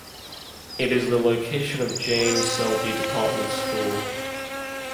It is the location of James Selby department store.